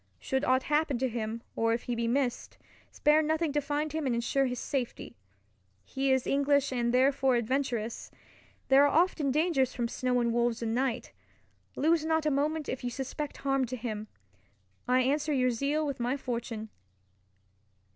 Should aught happen to him, or if he be missed, spare nothing to find him and ensure his safety. He is English and therefore adventurous. There are often dangers from snow and wolves and night. Lose not a moment if you suspect harm to him. I answer your zeal with my fortune.